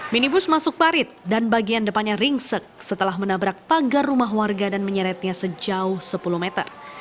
minibus masuk parit dan bagian depannya ringsek setelah menabrak pagar rumah warga dan menyeretnya sejauh sepuluh meter